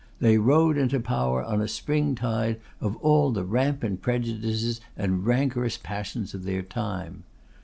They rode into power on a springtide of all the rampant prejudices and rancorous passions of their time.